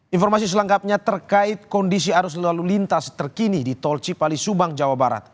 informasi selengkapnya terkait kondisi arus lalu lintas terkini di tol cipali subang jawa barat